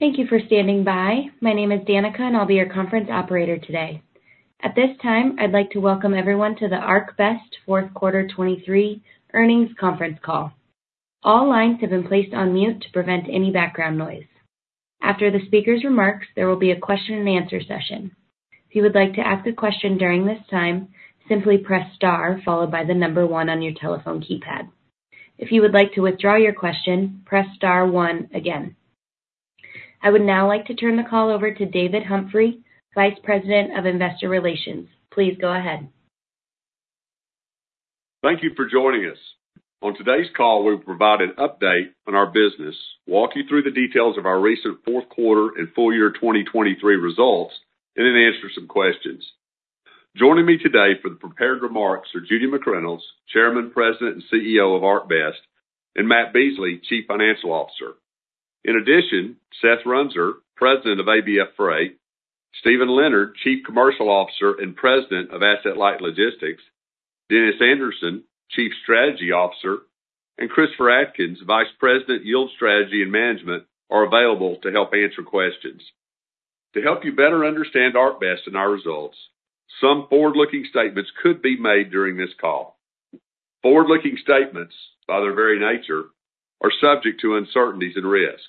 Thank you for standing by. My name is Danica, and I'll be your conference operator today. At this time, I'd like to welcome everyone to the ArcBest Fourth Quarter 2023 Earnings Conference Call. All lines have been placed on mute to prevent any background noise. After the speaker's remarks, there will be a question-and-answer session. If you would like to ask a question during this time, simply press star followed by the number one on your telephone keypad. If you would like to withdraw your question, press star one again. I would now like to turn the call over to David Humphrey, Vice President of Investor Relations. Please go ahead. Thank you for joining us. On today's call, we'll provide an update on our business, walk you through the details of our recent fourth quarter and full year 2023 results, and then answer some questions. Joining me today for the prepared remarks are Judy McReynolds, Chairman, President, and CEO of ArcBest, and Matt Beasley, Chief Financial Officer. In addition, Seth Runser, President of ABF Freight, Steven Leonard, Chief Commercial Officer and President of Asset-Light Logistics, Dennis Anderson, Chief Strategy Officer, and Christopher Adkins, Vice President, Yield Strategy and Management, are available to help answer questions. To help you better understand ArcBest and our results, some forward-looking statements could be made during this call. Forward-looking statements, by their very nature, are subject to uncertainties and risk.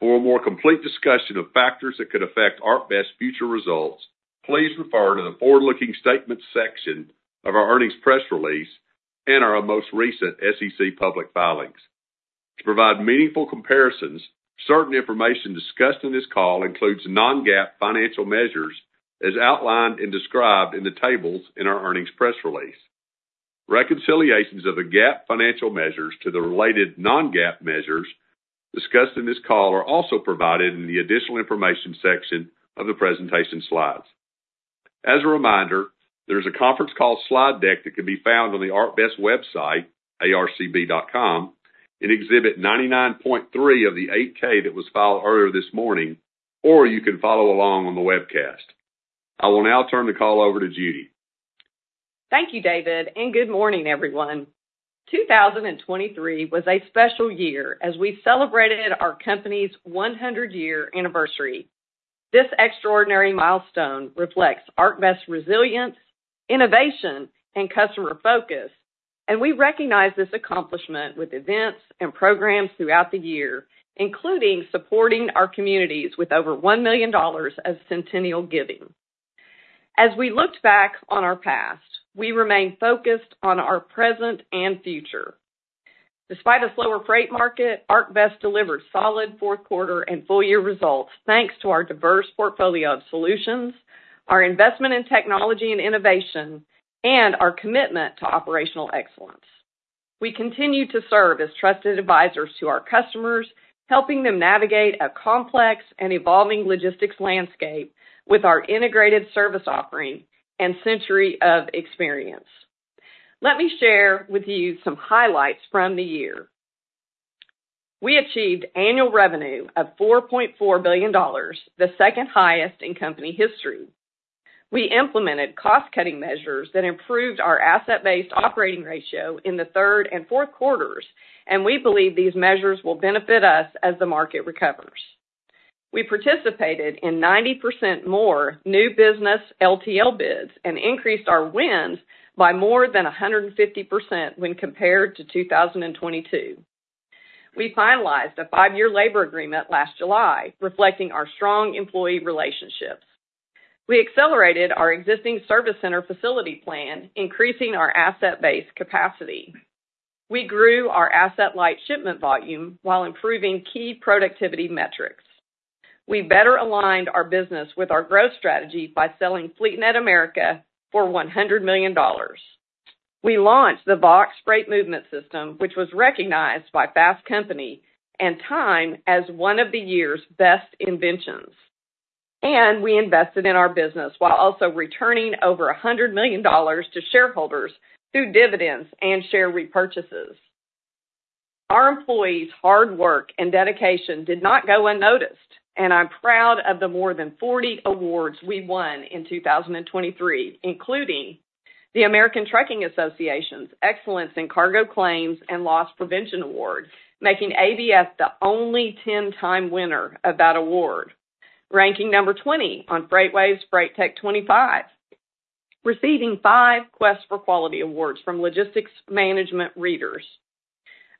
For a more complete discussion of factors that could affect ArcBest's future results, please refer to the forward-looking statements section of our earnings press release and our most recent SEC public filings. To provide meaningful comparisons, certain information discussed in this call includes non-GAAP financial measures, as outlined and described in the tables in our earnings press release. Reconciliations of the GAAP financial measures to the related non-GAAP measures discussed in this call are also provided in the Additional Information section of the presentation slides. As a reminder, there's a conference call slide deck that can be found on the ArcBest website, arcb.com, in Exhibit 99.3 of the 8-K that was filed earlier this morning, or you can follow along on the webcast. I will now turn the call over to Judy. Thank you, David, and good morning, everyone. 2023 was a special year as we celebrated our company's 100-year anniversary. This extraordinary milestone reflects ArcBest's resilience, innovation, and customer focus, and we recognize this accomplishment with events and programs throughout the year, including supporting our communities with over $1 million of centennial giving. As we looked back on our past, we remained focused on our present and future. Despite a slower freight market, ArcBest delivered solid fourth quarter and full-year results, thanks to our diverse portfolio of solutions, our investment in technology and innovation, and our commitment to operational excellence. We continue to serve as trusted advisors to our customers, helping them navigate a complex and evolving logistics landscape with our integrated service offering and century of experience. Let me share with you some highlights from the year. We achieved annual revenue of $4.4 billion, the second highest in company history. We implemented cost-cutting measures that improved our Asset-Based operating ratio in the third and fourth quarters, and we believe these measures will benefit us as the market recovers. We participated in 90% more new business LTL bids and increased our wins by more than 150% when compared to 2022. We finalized a five-year labor agreement last July, reflecting our strong employee relationships. We accelerated our existing service center facility plan, increasing our Asset-Based capacity. We grew our Asset-Light shipment volume while improving key productivity metrics. We better aligned our business with our growth strategy by selling FleetNet America for $100 million. We launched the Vaux Freight Movement System, which was recognized by Fast Company and Time as one of the year's best inventions. We invested in our business while also returning over $100 million to shareholders through dividends and share repurchases. Our employees' hard work and dedication did not go unnoticed, and I'm proud of the more than 40 awards we won in 2023, including the American Trucking Associations' Excellence in Cargo Claims and Loss Prevention Award, making ABF the only 10-time winner of that award. Ranking number 20 on FreightWaves' FreightTech 25. Receiving 5 Quest for Quality awards from Logistics Management readers.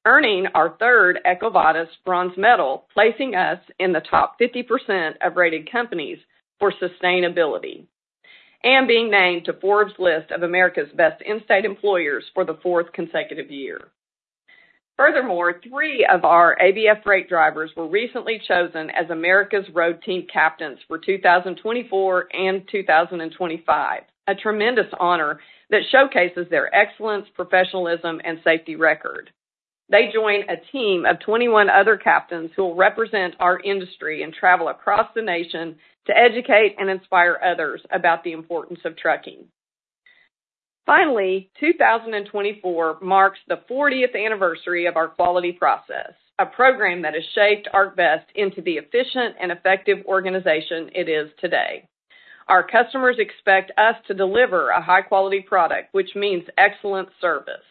Earning our third EcoVadis Bronze Medal, placing us in the top 50% of rated companies for sustainability, and being named to Forbes' list of America's Best-in-State Employers for the fourth consecutive year. Furthermore, three of our ABF Freight drivers were recently chosen as America's Road Team Captains for 2024 and 2025, a tremendous honor that showcases their excellence, professionalism, and safety record. They join a team of 21 other captains who will represent our industry and travel across the nation to educate and inspire others about the importance of trucking. Finally, 2024 marks the fortieth anniversary of our quality process, a program that has shaped ArcBest into the efficient and effective organization it is today. Our customers expect us to deliver a high-quality product, which means excellent service.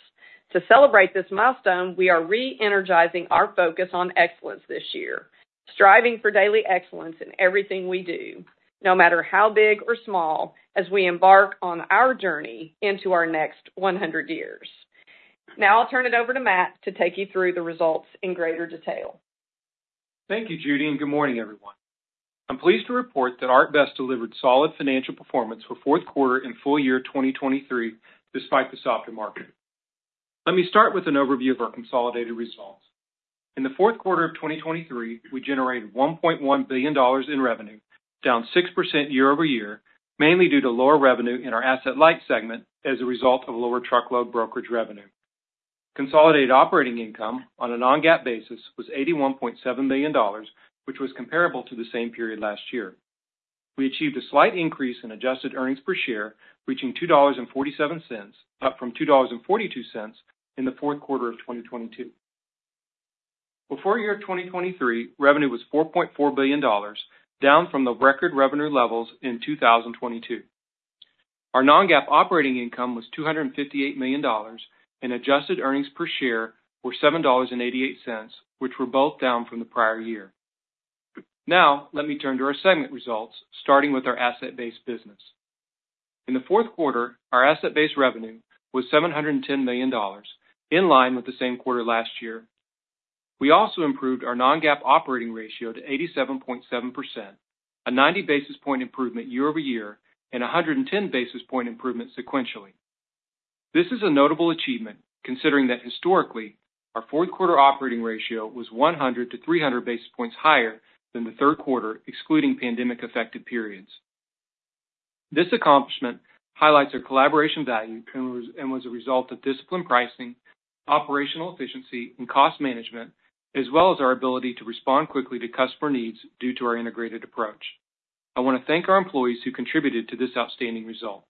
To celebrate this milestone, we are re-energizing our focus on excellence this year, striving for daily excellence in everything we do, no matter how big or small, as we embark on our journey into our next 100 years. Now I'll turn it over to Matt to take you through the results in greater detail. Thank you, Judy, and good morning, everyone. I'm pleased to report that ArcBest delivered solid financial performance for fourth quarter and full year 2023, despite the softer market. Let me start with an overview of our consolidated results. In the fourth quarter of 2023, we generated $1.1 billion in revenue, down 6% year-over-year, mainly due to lower revenue in our Asset-Light segment as a result of lower truckload brokerage revenue. Consolidated operating income on a non-GAAP basis was $81.7 million, which was comparable to the same period last year. We achieved a slight increase in adjusted earnings per share, reaching $2.47, up from $2.42 in the fourth quarter of 2022. For full year 2023, revenue was $4.4 billion, down from the record revenue levels in 2022. Our non-GAAP operating income was $258 million, and adjusted earnings per share were $7.88, which were both down from the prior year. Now, let me turn to our segment results, starting with our Asset-Based business. In the fourth quarter, our Asset-Based revenue was $710 million, in line with the same quarter last year. We also improved our non-GAAP operating ratio to 87.7%, a 90 basis point improvement year-over-year, and a 110 basis point improvement sequentially. This is a notable achievement, considering that historically, our fourth quarter operating ratio was 100-300 basis points higher than the third quarter, excluding pandemic-affected periods. This accomplishment highlights our collaboration value and was a result of disciplined pricing, operational efficiency, and cost management, as well as our ability to respond quickly to customer needs due to our integrated approach. I want to thank our employees who contributed to this outstanding result.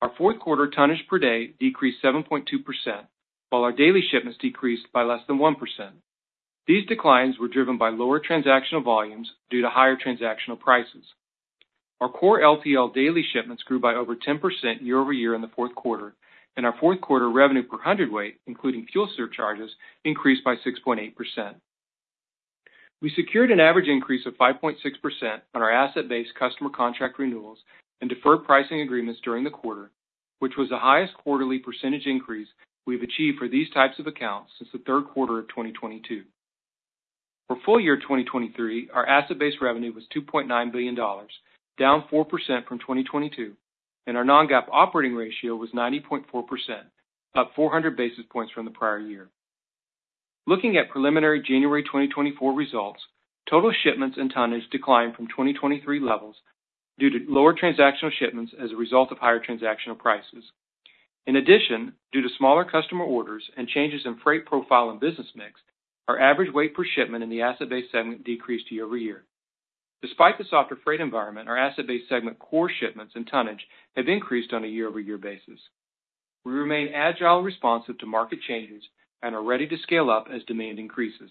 Our fourth quarter tonnage per day decreased 7.2%, while our daily shipments decreased by less than 1%. These declines were driven by lower transactional volumes due to higher transactional prices. Our core LTL daily shipments grew by over 10% year-over-year in the fourth quarter, and our fourth quarter revenue per hundredweight, including fuel surcharges, increased by 6.8%. We secured an average increase of 5.6% on our Asset-Based customer contract renewals and deferred pricing agreements during the quarter, which was the highest quarterly percentage increase we've achieved for these types of accounts since the third quarter of 2022. For full year 2023, our Asset-Based revenue was $2.9 billion, down 4% from 2022, and our non-GAAP operating ratio was 90.4%, up 400 basis points from the prior year. Looking at preliminary January 2024 results, total shipments and tonnage declined from 2023 levels due to lower transactional shipments as a result of higher transactional prices. In addition, due to smaller customer orders and changes in freight profile and business mix, our average weight per shipment in the Asset-Based segment decreased. Despite the softer freight environment, our Asset-Based segment core shipments and tonnage have increased on a year-over-year basis. We remain agile and responsive to market changes and are ready to scale up as demand increases.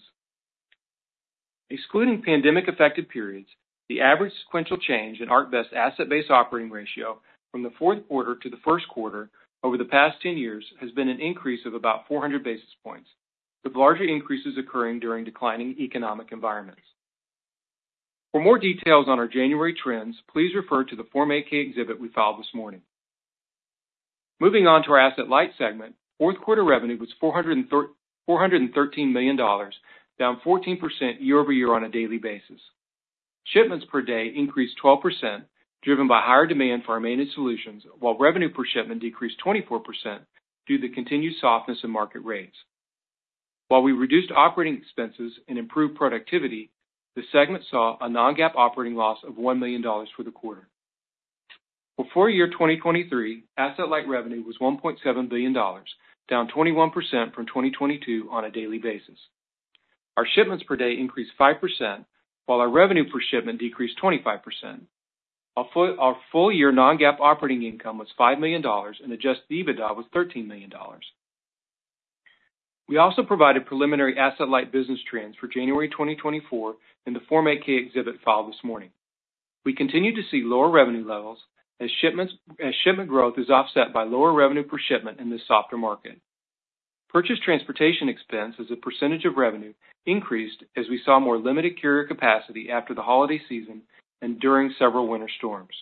Excluding pandemic-affected periods, the average sequential change in ArcBest Asset-Based operating ratio from the fourth quarter to the first quarter over the past 10 years has been an increase of about 400 basis points, with larger increases occurring during declining economic environments. For more details on our January trends, please refer to the Form 8-K exhibit we filed this morning. Moving on to our Asset-Light segment. Fourth quarter revenue was $413 million, down 14% year-over-year on a daily basis. Shipments per day increased 12%, driven by higher demand for our managed solutions, while revenue per shipment decreased 24% due to continued softness in market rates. While we reduced operating expenses and improved productivity, the segment saw a non-GAAP operating loss of $1 million for the quarter. For full year 2023, Asset-Light revenue was $1.7 billion, down 21% from 2022 on a daily basis. Our shipments per day increased 5%, while our revenue per shipment decreased 25%. Our full-year non-GAAP operating income was $5 million, and adjusted EBITDA was $13 million. We also provided preliminary Asset-Light business trends for January 2024 in the Form 8-K exhibit filed this morning. We continue to see lower revenue levels as shipment growth is offset by lower revenue per shipment in this softer market. Purchased Transportation expense as a percentage of revenue increased as we saw more limited carrier capacity after the holiday season and during several winter storms.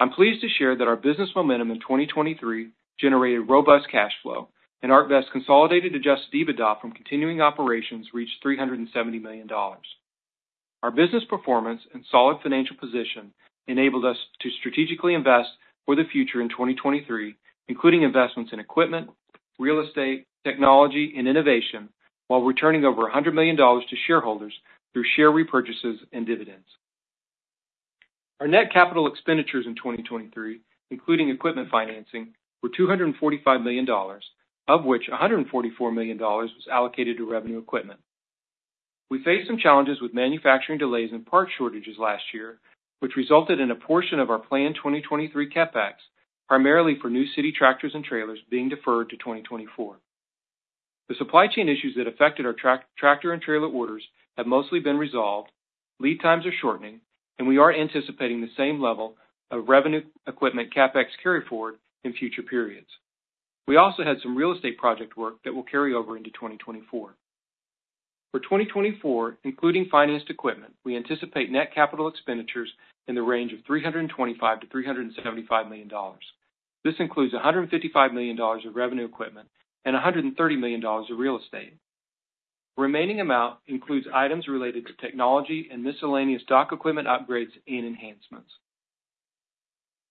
I'm pleased to share that our business momentum in 2023 generated robust cash flow, and ArcBest consolidated adjusted EBITDA from continuing operations reached $370 million. Our business performance and solid financial position enabled us to strategically invest for the future in 2023, including investments in equipment, real estate, technology, and innovation, while returning over $100 million to shareholders through share repurchases and dividends. Our net capital expenditures in 2023, including equipment financing, were $245 million, of which $144 million was allocated to revenue equipment. We faced some challenges with manufacturing delays and part shortages last year, which resulted in a portion of our planned 2023 CapEx, primarily for new city tractors and trailers, being deferred to 2024. The supply chain issues that affected our tractor and trailer orders have mostly been resolved, lead times are shortening, and we are anticipating the same level of revenue equipment CapEx carry forward in future periods. We also had some real estate project work that will carry over into 2024. For 2024, including financed equipment, we anticipate net capital expenditures in the range of $325 million-$375 million. This includes $155 million of revenue equipment and $130 million of real estate. Remaining amount includes items related to technology and miscellaneous dock equipment upgrades and enhancements.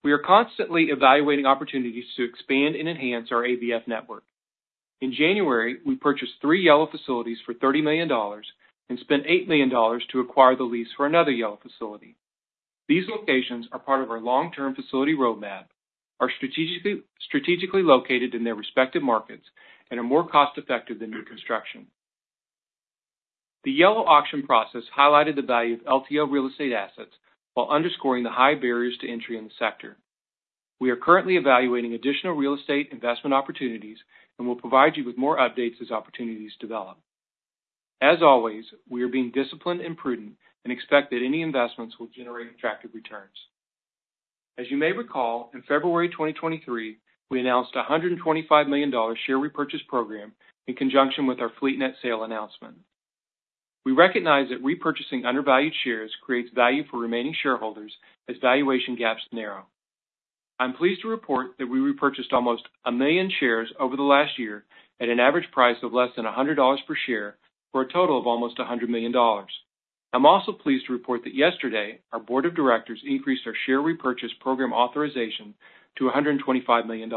We are constantly evaluating opportunities to expand and enhance our ABF network. In January, we purchased three Yellow facilities for $30 million and spent $8 million to acquire the lease for another Yellow facility. These locations are part of our long-term facility roadmap, are strategically located in their respective markets and are more cost-effective than new construction. The Yellow auction process highlighted the value of LTL real estate assets while underscoring the high barriers to entry in the sector. We are currently evaluating additional real estate investment opportunities and will provide you with more updates as opportunities develop. As always, we are being disciplined and prudent and expect that any investments will generate attractive returns. As you may recall, in February 2023, we announced a $125 million share repurchase program in conjunction with our FleetNet sale announcement. We recognize that repurchasing undervalued shares creates value for remaining shareholders as valuation gaps narrow. I'm pleased to report that we repurchased almost 1 million shares over the last year at an average price of less than $100 per share, for a total of almost $100 million. I'm also pleased to report that yesterday, our board of directors increased our share repurchase program authorization to $125 million.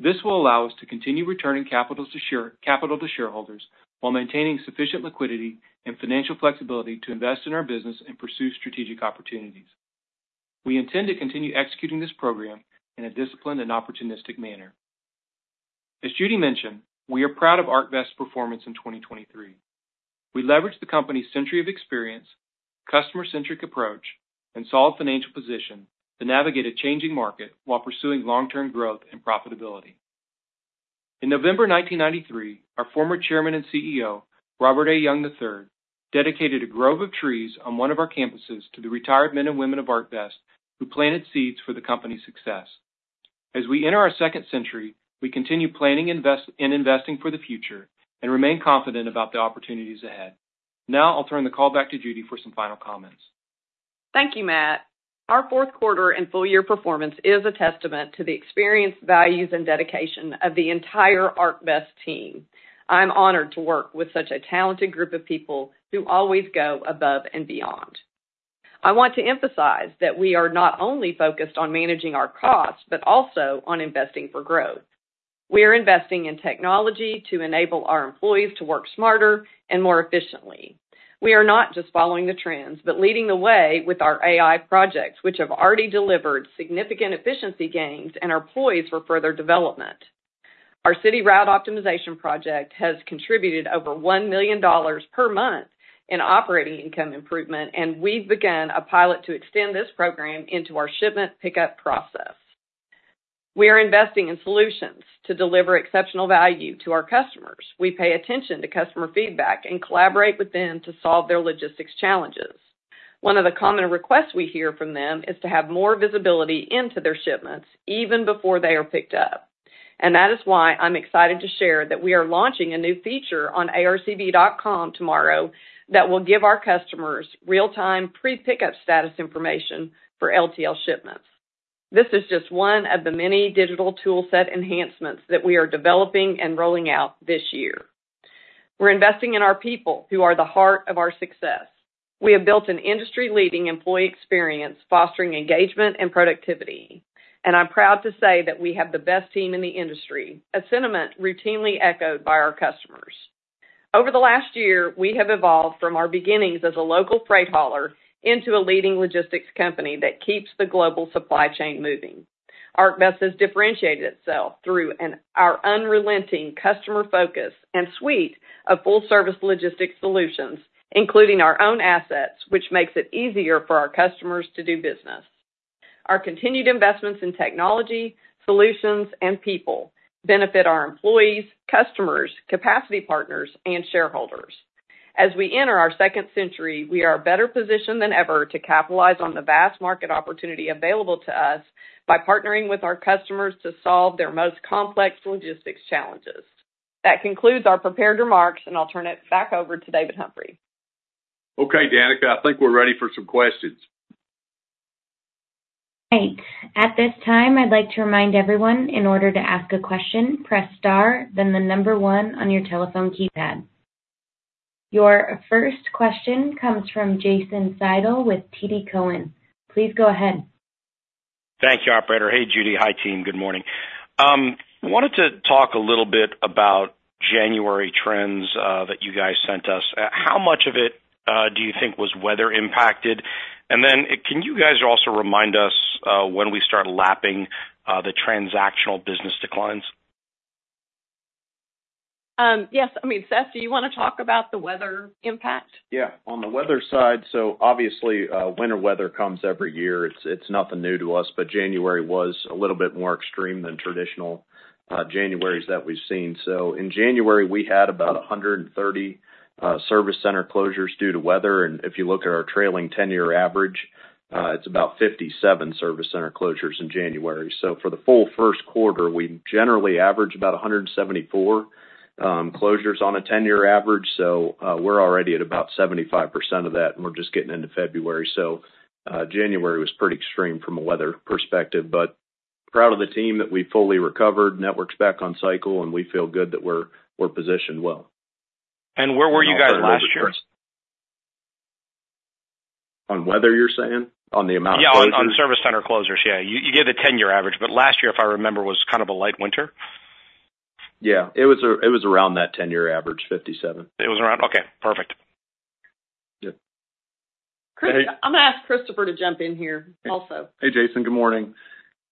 This will allow us to continue returning capital to shareholders while maintaining sufficient liquidity and financial flexibility to invest in our business and pursue strategic opportunities. We intend to continue executing this program in a disciplined and opportunistic manner. As Judy mentioned, we are proud of ArcBest's performance in 2023. We leveraged the company's century of experience, customer-centric approach, and solid financial position to navigate a changing market while pursuing long-term growth and profitability. In November 1993, our former Chairman and CEO, Robert A. Young III, dedicated a grove of trees on one of our campuses to the retired men and women of ArcBest, who planted seeds for the company's success. As we enter our second century, we continue planning and investing for the future and remain confident about the opportunities ahead. Now I'll turn the call back to Judy for some final comments. Thank you, Matt. Our fourth quarter and full year performance is a testament to the experience, values, and dedication of the entire ArcBest team. I'm honored to work with such a talented group of people who always go above and beyond. I want to emphasize that we are not only focused on managing our costs, but also on investing for growth. We are investing in technology to enable our employees to work smarter and more efficiently. We are not just following the trends, but leading the way with our AI projects, which have already delivered significant efficiency gains and are poised for further development. Our City Route Optimization project has contributed over $1 million per month in operating income improvement, and we've begun a pilot to extend this program into our shipment pickup process. We are investing in solutions to deliver exceptional value to our customers. We pay attention to customer feedback and collaborate with them to solve their logistics challenges. One of the common requests we hear from them is to have more visibility into their shipments, even before they are picked up. That is why I'm excited to share that we are launching a new feature on arcb.com tomorrow that will give our customers real-time, pre-pickup status information for LTL shipments. This is just one of the many digital tool set enhancements that we are developing and rolling out this year. We're investing in our people, who are the heart of our success. We have built an industry-leading employee experience, fostering engagement and productivity. I'm proud to say that we have the best team in the industry, a sentiment routinely echoed by our customers. Over the last year, we have evolved from our beginnings as a local freight hauler into a leading logistics company that keeps the global supply chain moving. ArcBest has differentiated itself through our unrelenting customer focus and suite of full-service logistics solutions, including our own assets, which makes it easier for our customers to do business. Our continued investments in technology, solutions, and people benefit our employees, customers, capacity partners, and shareholders. As we enter our second century, we are better positioned than ever to capitalize on the vast market opportunity available to us by partnering with our customers to solve their most complex logistics challenges. That concludes our prepared remarks, and I'll turn it back over to David Humphrey. Okay, Danica, I think we're ready for some questions. Great. At this time, I'd like to remind everyone, in order to ask a question, press star, then the number one on your telephone keypad. Your first question comes from Jason Seidl with TD Cowen. Please go ahead. Thank you, operator. Hey, Judy. Hi, team. Good morning. I wanted to talk a little bit about January trends that you guys sent us. How much of it do you think was weather-impacted? And then can you guys also remind us when we start lapping the transactional business declines? Yes. I mean, Seth, do you want to talk about the weather impact? Yeah, on the weather side, so obviously, winter weather comes every year. It's, it's nothing new to us, but January was a little bit more extreme than traditional Januaries that we've seen. So in January, we had about 130 service center closures due to weather, and if you look at our trailing 10-year average, it's about 57 service center closures in January. So for the full first quarter, we generally average about 174 closures on a 10-year average. So, we're already at about 75% of that, and we're just getting into February. So, January was pretty extreme from a weather perspective, but proud of the team that we fully recovered. Network's back on cycle, and we feel good that we're, we're positioned well. Where were you guys last year? On weather, you're saying? On the amount of closures? Yeah, on service center closures. Yeah, you, you gave a 10-year average, but last year, if I remember, was kind of a light winter. Yeah, it was, it was around that 10-year average, 57. Okay, perfect. Yeah. Chris, I'm going to ask Christopher to jump in here also. Hey, Jason, good morning.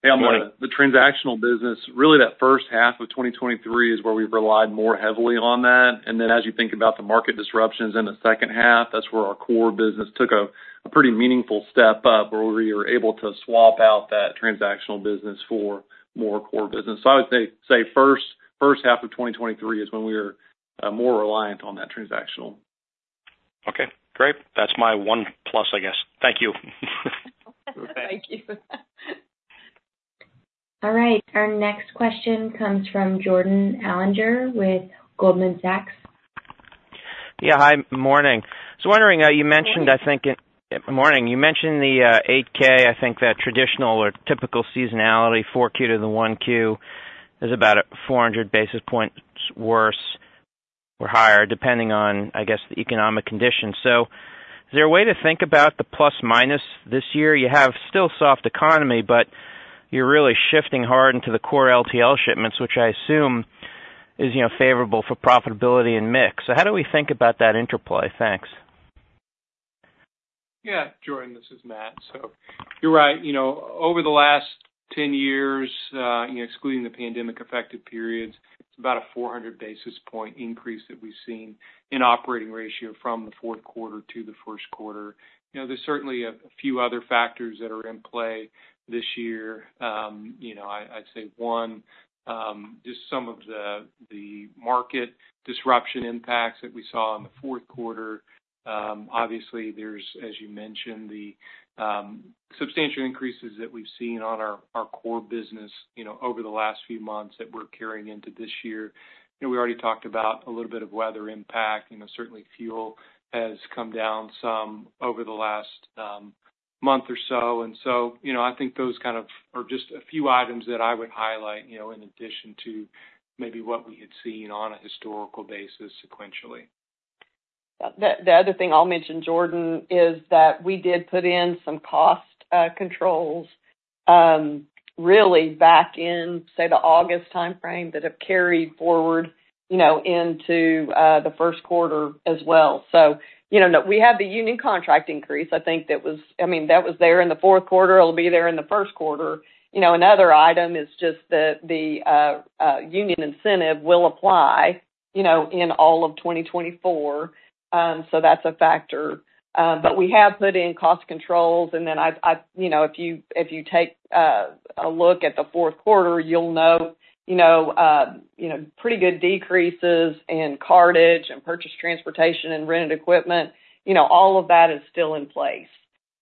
Hey, good morning. The transactional business, really, that first half of 2023 is where we've relied more heavily on that. And then as you think about the market disruptions in the second half, that's where our core business took a pretty meaningful step up, where we were able to swap out that transactional business for more core business. So I would say first half of 2023 is when we were more reliant on that transactional. Okay, great. That's my one plus, I guess. Thank you. Thank you. All right, our next question comes from Jordan Alliger with Goldman Sachs. Yeah, hi. Morning. So wondering, you mentioned, I think- Morning. Morning. You mentioned the 8-K, I think that traditional or typical seasonality, 4Q to 1Q, is about 400 basis points worse or higher, depending on, I guess, the economic conditions. So is there a way to think about the plus minus this year? You have still soft economy, but you're really shifting hard into the Core LTL shipments, which I assume is, you know, favorable for profitability and mix. So how do we think about that interplay? Thanks. Yeah, Jordan, this is Matt. So you're right. You know, over the last 10 years, excluding the pandemic-affected periods, it's about a 400 basis point increase that we've seen in operating ratio from the fourth quarter to the first quarter. You know, there's certainly a few other factors that are in play this year. You know, I'd say one, just some of the market disruption impacts that we saw in the fourth quarter. Obviously, there's, as you mentioned, the substantial increases that we've seen on our core business, you know, over the last few months that we're carrying into this year. You know, we already talked about a little bit of weather impact. You know, certainly fuel has come down some over the last month or so. And so, you know, I think those kind of are just a few items that I would highlight, you know, in addition to maybe what we had seen on a historical basis sequentially. The other thing I'll mention, Jordan, is that we did put in some cost controls really back in, say, the August timeframe, that have carried forward, you know, into the first quarter as well. So, you know, we had the union contract increase. I think that was. I mean, that was there in the fourth quarter. It'll be there in the first quarter. You know, another item is just that the union incentive will apply, you know, in all of 2024, so that's a factor. But we have put in cost controls, and then I've. You know, if you take a look at the fourth quarter, you'll know, you know, pretty good decreases in cartage and Purchased Transportation and rented equipment. You know, all of that is still in place.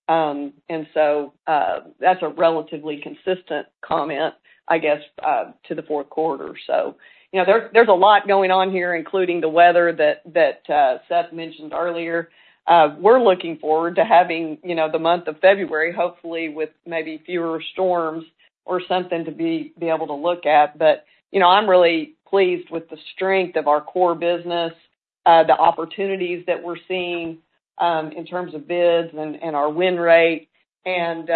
And so, that's a relatively consistent comment, I guess, to the fourth quarter. So, you know, there, there's a lot going on here, including the weather that Seth mentioned earlier. We're looking forward to having, you know, the month of February, hopefully with maybe fewer storms or something to be able to look at. But, you know, I'm really pleased with the strength of our core business, the opportunities that we're seeing, in terms of bids and our win rate, and,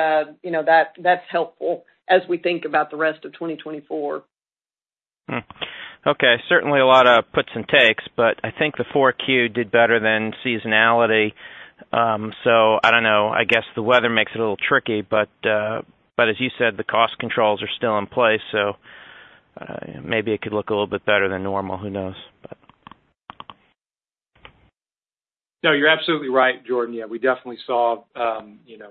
you know, that's helpful as we think about the rest of 2024. Okay, certainly a lot of puts and takes, but I think the 4Q did better than seasonality. So I don't know. I guess the weather makes it a little tricky, but, but as you said, the cost controls are still in place, so, maybe it could look a little bit better than normal, who knows? But... No, you're absolutely right, Jordan. Yeah, we definitely saw, you know,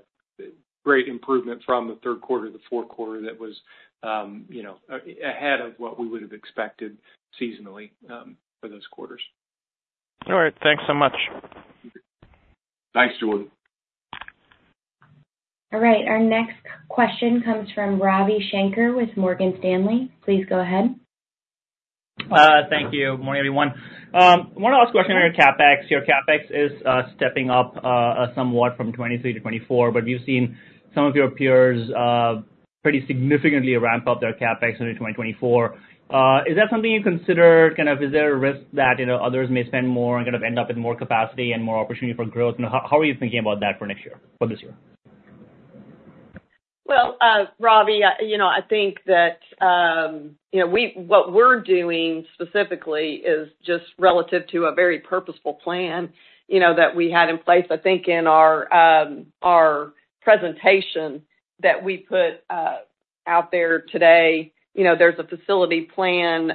great improvement from the third quarter to the fourth quarter. That was, you know, ahead of what we would have expected seasonally, for those quarters. All right. Thanks so much. Thanks, Jordan. All right, our next question comes from Ravi Shanker with Morgan Stanley. Please go ahead. Thank you. Good morning, everyone. One last question on your CapEx. Your CapEx is stepping up somewhat from 2023 to 2024, but we've seen some of your peers pretty significantly ramp up their CapEx into 2024. Is that something you consider? Kind of, is there a risk that, you know, others may spend more and kind of end up with more capacity and more opportunity for growth? And how are you thinking about that for next year, for this year? Well, Ravi, you know, I think that, you know, what we're doing specifically is just relative to a very purposeful plan, you know, that we had in place. I think in our, our presentation that we put out there today, you know, there's a facility plan,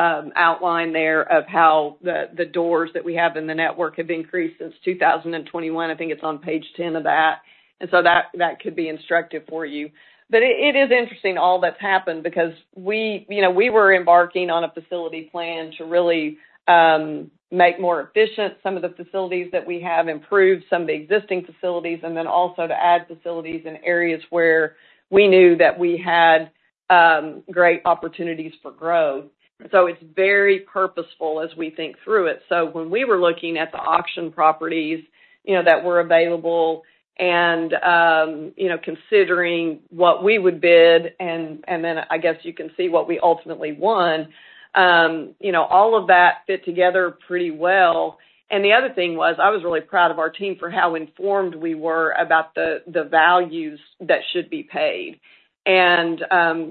outlined there of how the, the doors that we have in the network have increased since 2021. I think it's on page 10 of that. And so that, that could be instructive for you. But it, it is interesting all that's happened because we, you know, we were embarking on a facility plan to really, make more efficient some of the facilities that we have, improve some of the existing facilities, and then also to add facilities in areas where we knew that we had, great opportunities for growth. So it's very purposeful as we think through it. So when we were looking at the auction properties, you know, that were available and, you know, considering what we would bid, and then I guess you can see what we ultimately won, you know, all of that fit together pretty well. And the other thing was, I was really proud of our team for how informed we were about the values that should be paid. And,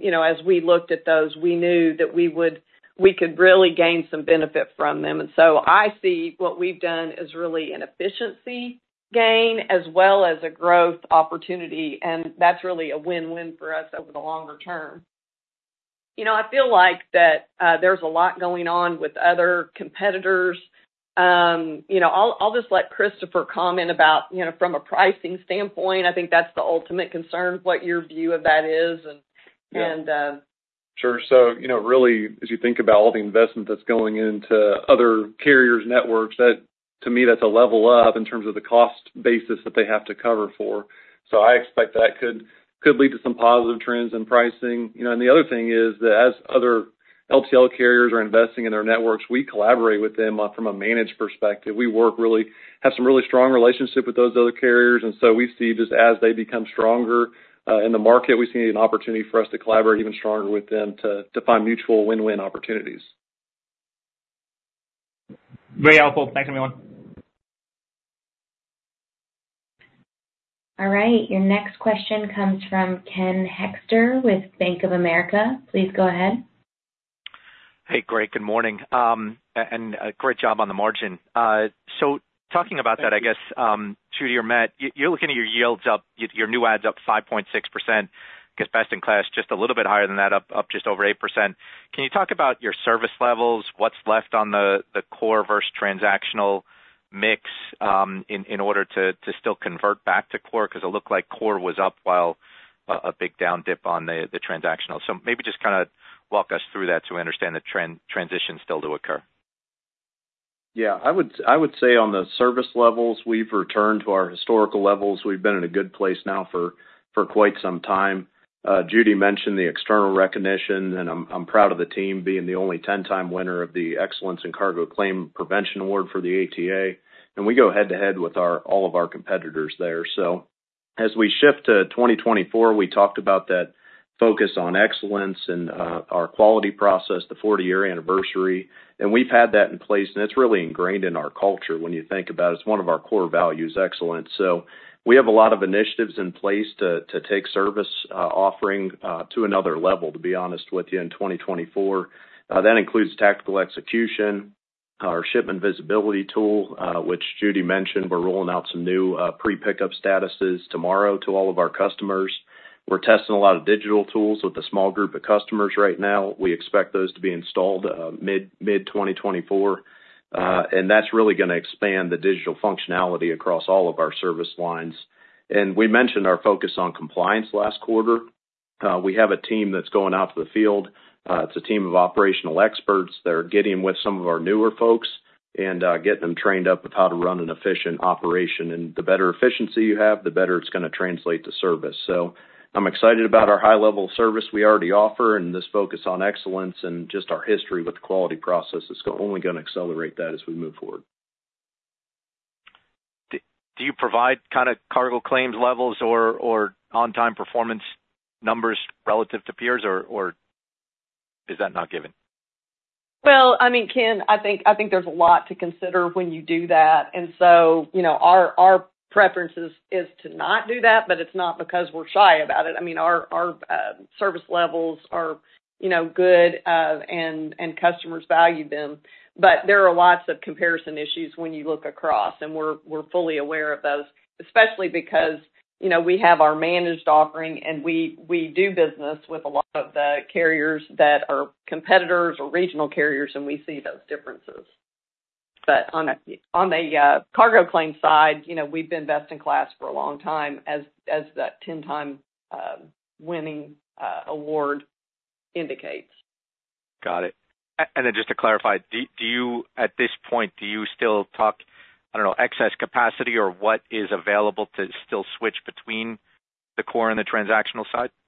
you know, as we looked at those, we knew that we would - we could really gain some benefit from them. And so I see what we've done as really an efficiency gain as well as a growth opportunity, and that's really a win-win for us over the longer term. You know, I feel like that, there's a lot going on with other competitors. You know, I'll just let Christopher comment about, you know, from a pricing standpoint, I think that's the ultimate concern, what your view of that is. Sure. So, you know, really, as you think about all the investment that's going into other carriers' networks, that to me, that's a level up in terms of the cost basis that they have to cover for. So I expect that could lead to some positive trends in pricing. You know, and the other thing is that as other LTL carriers are investing in their networks, we collaborate with them from a managed perspective. We have some really strong relationships with those other carriers, and so we see just as they become stronger in the market, we see an opportunity for us to collaborate even stronger with them to find mutual win-win opportunities. Very helpful. Thanks, everyone. All right, your next question comes from Ken Hoexter with Bank of America. Please go ahead. Hey, great. Good morning. Great job on the margin. So talking about that, I guess, Judy or Matt, you're looking at your yields up, your new adds up 5.6%, I guess, best in class, just a little bit higher than that, up just over 8%. Can you talk about your service levels? What's left on the core versus transactional mix, in order to still convert back to core? Because it looked like core was up while a big down dip on the transactional. So maybe just kind of walk us through that to understand the trend transition still to occur. Yeah, I would say on the service levels, we've returned to our historical levels. We've been in a good place now for quite some time. Judy mentioned the external recognition, and I'm proud of the team being the only 10-time winner of the Excellence in Cargo Claim Prevention Award for the ATA, and we go head-to-head with our—all of our competitors there. So as we shift to 2024, we talked about that focus on excellence and our quality process, the 40-year anniversary, and we've had that in place, and it's really ingrained in our culture when you think about it. It's one of our core values, excellence. So we have a lot of initiatives in place to take service offering to another level, to be honest with you, in 2024. That includes tactical execution, our shipment visibility tool, which Judy mentioned. We're rolling out some new pre-pickup statuses tomorrow to all of our customers. We're testing a lot of digital tools with a small group of customers right now. We expect those to be installed mid-2024. And that's really going to expand the digital functionality across all of our service lines. We mentioned our focus on compliance last quarter. We have a team that's going out to the field. It's a team of operational experts that are getting with some of our newer folks and getting them trained up with how to run an efficient operation. The better efficiency you have, the better it's going to translate to service. I'm excited about our high level of service we already offer and this focus on excellence and just our history with the quality process is only going to accelerate that as we move forward. Do you provide kind of cargo claims levels or on-time performance numbers relative to peers or is that not given? Well, I mean, Ken, I think there's a lot to consider when you do that. And so, you know, our preference is to not do that, but it's not because we're shy about it. I mean, our service levels are, you know, good, and customers value them. But there are lots of comparison issues when you look across, and we're fully aware of those, especially because, you know, we have our managed offering, and we do business with a lot of the carriers that are competitors or regional carriers, and we see those differences. But on a cargo claim side, you know, we've been best in class for a long time, as that ten-time winning award indicates. Got it. And then just to clarify, do you, at this point, do you still talk, I don't know, excess capacity or what is available to still switch between the core and the transactional side? Yeah.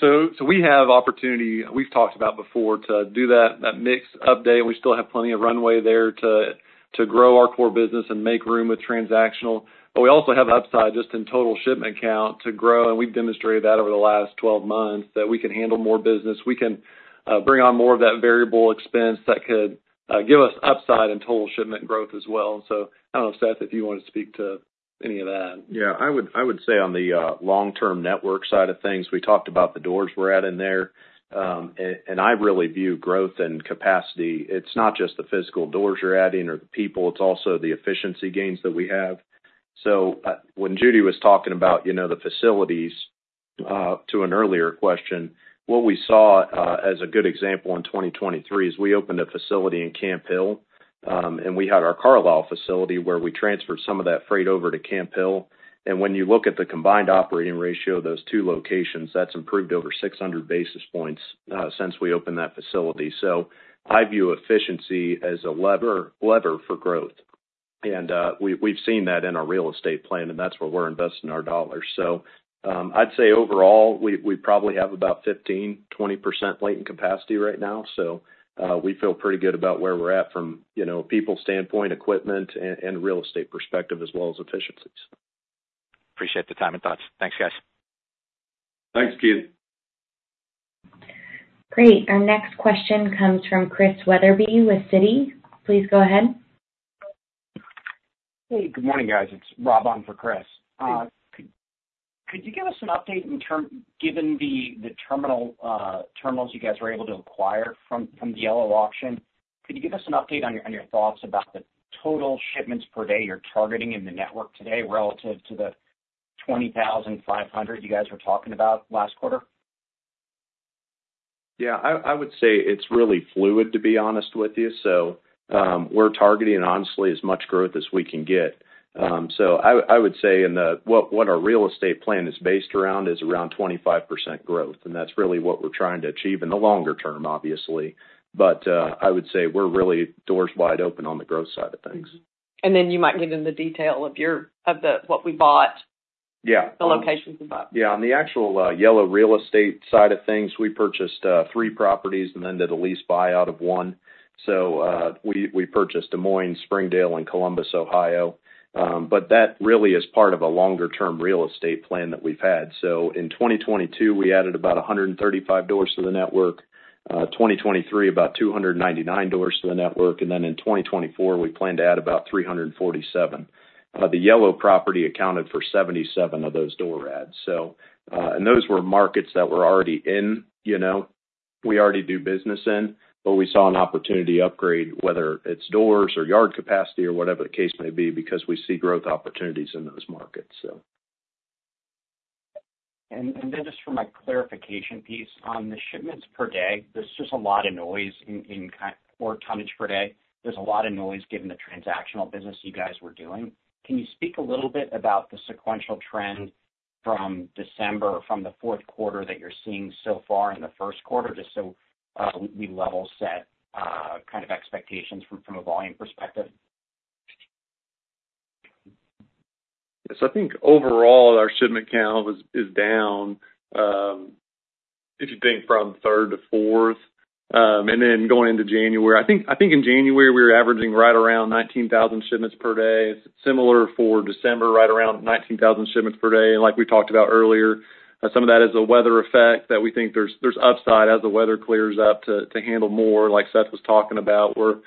So, so we have opportunity, we've talked about before, to do that, that mix update. We still have plenty of runway there to, to grow our core business and make room with transactional. But we also have upside just in total shipment count to grow, and we've demonstrated that over the last 12 months, that we can handle more business. We can bring on more of that variable expense that could give us upside in total shipment growth as well. So I don't know, Seth, if you want to speak to any of that. Yeah, I would, I would say on the long-term network side of things, we talked about the doors we're adding there. And I really view growth and capacity, it's not just the physical doors you're adding or the people, it's also the efficiency gains that we have.... So, when Judy was talking about, you know, the facilities, to an earlier question, what we saw as a good example in 2023 is we opened a facility in Camp Hill, and we had our Carlisle facility, where we transferred some of that freight over to Camp Hill. And when you look at the combined operating ratio of those two locations, that's improved over 600 basis points since we opened that facility. So I view efficiency as a lever, lever for growth. And, we, we've seen that in our real estate plan, and that's where we're investing our dollars. So, I'd say overall, we, we probably have about 15%-20% latent capacity right now. So, we feel pretty good about where we're at from, you know, a people standpoint, equipment, and, and real estate perspective, as well as efficiencies. Appreciate the time and thoughts. Thanks, guys. Thanks, Ken. Great. Our next question comes from Chris Wetherbee with Citi. Please go ahead. Hey, good morning, guys. It's Rob on for Chris. Could you give us an update given the terminals you guys were able to acquire from the Yellow auction? Could you give us an update on your thoughts about the total shipments per day you're targeting in the network today relative to the 20,500 you guys were talking about last quarter? Yeah, I, I would say it's really fluid, to be honest with you. So, we're targeting, honestly, as much growth as we can get. So I, I would say in the... what our real estate plan is based around is around 25% growth, and that's really what we're trying to achieve in the longer term, obviously. But, I would say we're really doors wide open on the growth side of things. And then you might get into the detail of what we bought- Yeah. The locations we bought. Yeah. On the actual Yellow real estate side of things, we purchased three properties and then did a lease buyout of one. So, we, we purchased Des Moines, Springdale, and Columbus, Ohio. But that really is part of a longer-term real estate plan that we've had. So in 2022, we added about 135 doors to the network. 2023, about 299 doors to the network. And then in 2024, we plan to add about 347 doors. The Yellow property accounted for 77 of those door adds. So, and those were markets that we're already in, you know, we already do business in, but we saw an opportunity to upgrade, whether it's doors or yard capacity or whatever the case may be, because we see growth opportunities in those markets, so. And then just for my clarification piece. On the shipments per day, there's just a lot of noise in kind or tonnage per day. There's a lot of noise given the transactional business you guys were doing. Can you speak a little bit about the sequential trend from December, from the fourth quarter that you're seeing so far in the first quarter, just so we level set kind of expectations from a volume perspective? Yes, I think overall, our shipment count was, is down, if you think from third to fourth, and then going into January. I think in January, we were averaging right around 19,000 shipments per day. Similar for December, right around 19,000 shipments per day. And like we talked about earlier, some of that is a weather effect that we think there's upside as the weather clears up to handle more, like Seth was talking about. We're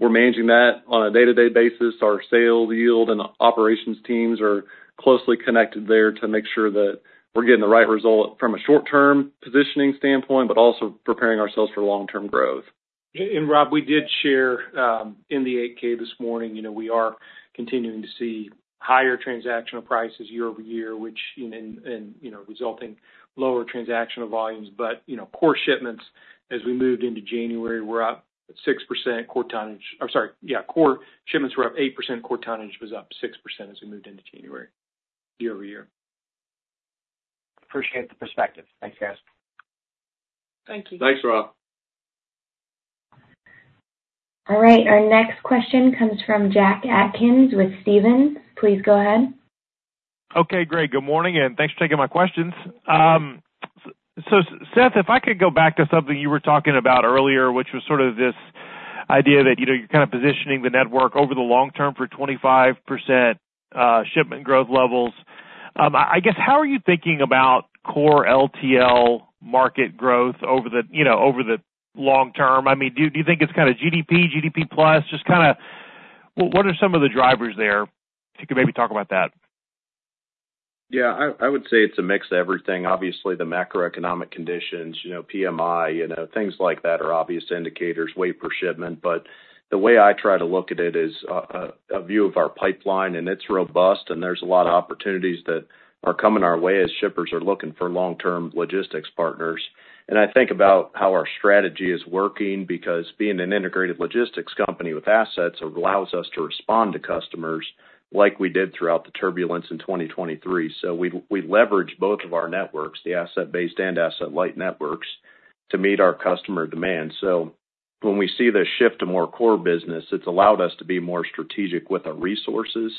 managing that on a day-to-day basis. Our sales, yield, and operations teams are closely connected there to make sure that we're getting the right result from a short-term positioning standpoint, but also preparing ourselves for long-term growth. Rob, we did share in the 8-K this morning, you know, we are continuing to see higher transactional prices year-over-year, which, you know, resulting lower transactional volumes. But, you know, core shipments, as we moved into January, were up 6%. Core shipments were up 8%, core tonnage was up 6% as we moved into January, year-over-year. Appreciate the perspective. Thanks, guys. Thank you. Thanks, Rob. All right, our next question comes from Jack Atkins with Stephens. Please go ahead. Okay, great. Good morning, and thanks for taking my questions. So Seth, if I could go back to something you were talking about earlier, which was sort of this idea that, you know, you're kind of positioning the network over the long term for 25% shipment growth levels. I guess, how are you thinking about core LTL market growth over the, you know, over the long term? I mean, do you think it's kind of GDP, GDP plus? Just kind of, what are some of the drivers there, if you could maybe talk about that? Yeah, I would say it's a mix of everything. Obviously, the macroeconomic conditions, you know, PMI, you know, things like that are obvious indicators, weight per shipment. But the way I try to look at it is a view of our pipeline, and it's robust, and there's a lot of opportunities that are coming our way as shippers are looking for long-term logistics partners. And I think about how our strategy is working because being an integrated logistics company with assets allows us to respond to customers like we did throughout the turbulence in 2023. So we leverage both of our networks, the Asset-Based and Asset-Light networks, to meet our customer demand. So when we see the shift to more core business, it's allowed us to be more strategic with our resources.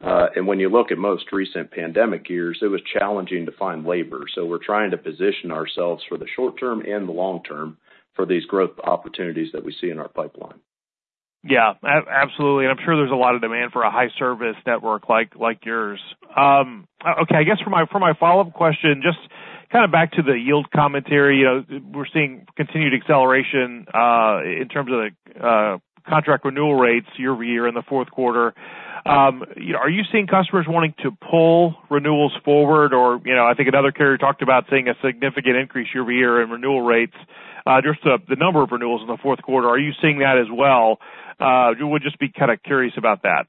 When you look at most recent pandemic years, it was challenging to find labor. So we're trying to position ourselves for the short term and the long term for these growth opportunities that we see in our pipeline. Yeah, absolutely. And I'm sure there's a lot of demand for a high-service network like, like yours. Okay, I guess for my, for my follow-up question, just kind of back to the yield commentary. You know, we're seeing continued acceleration in terms of the contract renewal rates in the fourth quarter. You know, are you seeing customers wanting to pull renewals forward? Or, you know, I think another carrier talked about seeing a significant increase in renewal rates.... just the number of renewals in the fourth quarter, are you seeing that as well? We're just be kind of curious about that.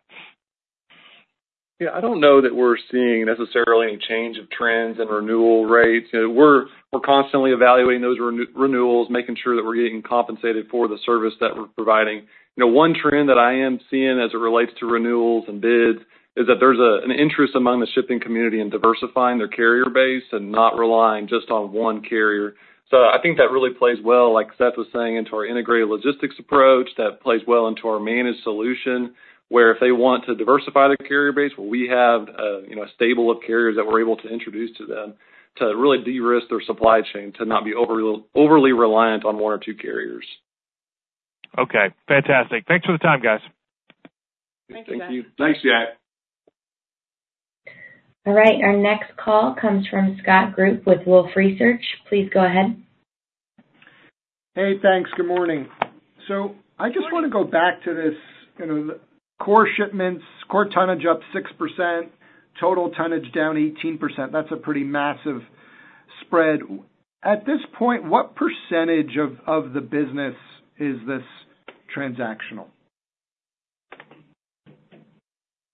Yeah, I don't know that we're seeing necessarily a change of trends in renewal rates. We're constantly evaluating those renewals, making sure that we're getting compensated for the service that we're providing. You know, one trend that I am seeing as it relates to renewals and bids is that there's an interest among the shipping community in diversifying their carrier base and not relying just on one carrier. So I think that really plays well, like Seth was saying, into our integrated logistics approach. That plays well into our managed solution, where if they want to diversify their carrier base, well, we have, you know, a stable of carriers that we're able to introduce to them to really de-risk their supply chain, to not be overly reliant on one or two carriers. Okay, fantastic. Thanks for the time, guys. Thank you. Thanks, Jack. All right, our next call comes from Scott Group with Wolfe Research. Please go ahead. Hey, thanks. Good morning. So I just want to go back to this, you know, core shipments, core tonnage up 6%, total tonnage down 18%. That's a pretty massive spread. At this point, what percentage of, of the business is this transactional?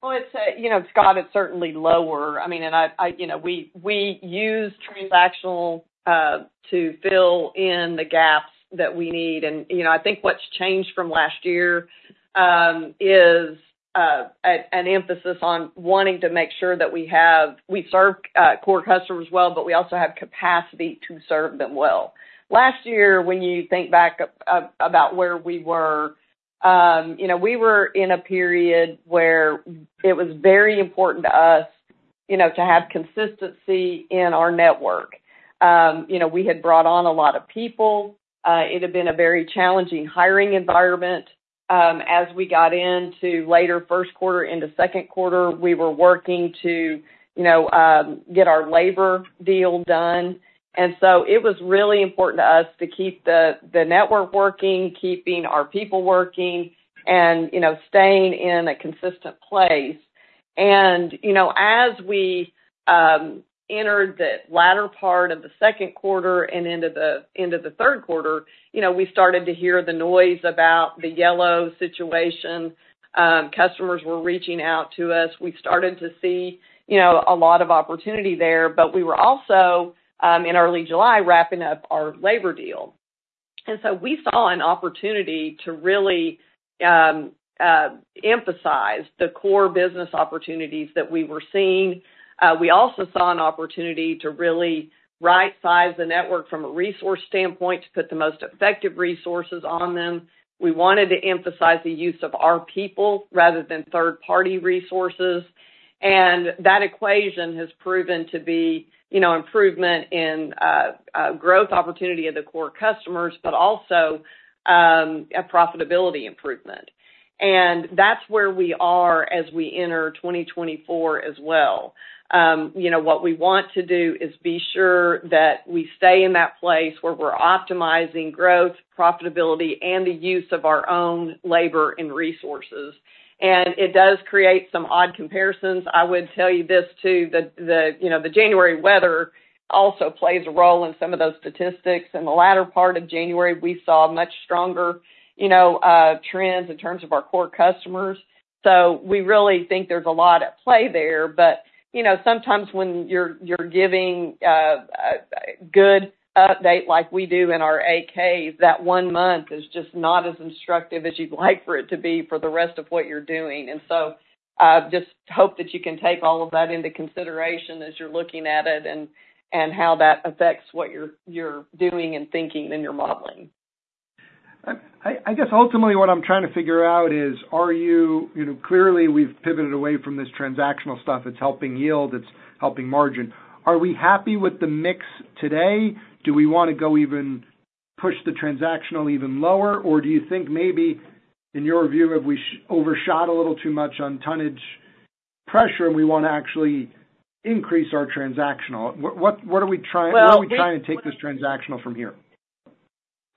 Well, it's, you know, Scott, it's certainly lower. I mean, you know, we use transactional to fill in the gaps that we need. And, you know, I think what's changed from last year is an emphasis on wanting to make sure that we have... We serve core customers well, but we also have capacity to serve them well. Last year, when you think back, about where we were, you know, we were in a period where it was very important to us, you know, to have consistency in our network. You know, we had brought on a lot of people. It had been a very challenging hiring environment. As we got into later first quarter into second quarter, we were working to, you know, get our labor deal done. So it was really important to us to keep the network working, keeping our people working, and, you know, staying in a consistent place. And, you know, as we entered the latter part of the second quarter and into the end of the third quarter, you know, we started to hear the noise about the Yellow situation. Customers were reaching out to us. We started to see, you know, a lot of opportunity there, but we were also in early July wrapping up our labor deal. And so we saw an opportunity to really emphasize the core business opportunities that we were seeing. We also saw an opportunity to really right-size the network from a resource standpoint, to put the most effective resources on them. We wanted to emphasize the use of our people rather than third-party resources, and that equation has proven to be, you know, improvement in growth opportunity of the core customers, but also a profitability improvement. And that's where we are as we enter 2024 as well. You know, what we want to do is be sure that we stay in that place where we're optimizing growth, profitability, and the use of our own labor and resources. And it does create some odd comparisons. I would tell you this, too, that the, you know, the January weather also plays a role in some of those statistics. In the latter part of January, we saw much stronger, you know, trends in terms of our core customers. So we really think there's a lot at play there. But you know, sometimes when you're giving a good update like we do in our AK, that one month is just not as instructive as you'd like for it to be for the rest of what you're doing. So just hope that you can take all of that into consideration as you're looking at it and how that affects what you're doing and thinking and you're modeling. I guess ultimately what I'm trying to figure out is, are you... You know, clearly, we've pivoted away from this transactional stuff. It's helping yield, it's helping margin. Are we happy with the mix today? Do we want to go even push the transactional even lower? Or do you think maybe, in your view, have we overshot a little too much on tonnage pressure and we want to actually increase our transactional? What, what are we trying- Well, we- Where are we trying to take this transactional from here?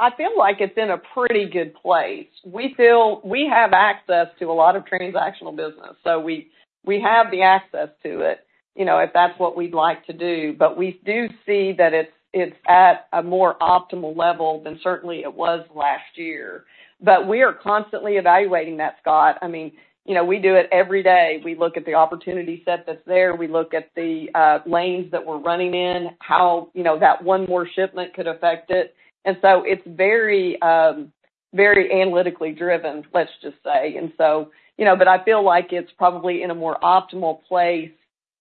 I feel like it's in a pretty good place. We feel we have access to a lot of transactional business, so we, we have the access to it, you know, if that's what we'd like to do. But we do see that it's at a more optimal level than certainly it was last year. But we are constantly evaluating that, Scott. I mean, you know, we do it every day. We look at the opportunity set that's there. We look at the lanes that we're running in, how, you know, that one more shipment could affect it. And so it's very, very analytically driven, let's just say. And so, you know, but I feel like it's probably in a more optimal place